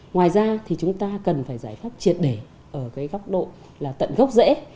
ngoài ra thì chúng ta cần phải giải pháp triệt để ở cái góc độ là tận gốc rễ